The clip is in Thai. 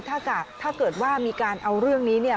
ถ้าเกิดว่ามีการเอาเรื่องนี้เนี่ย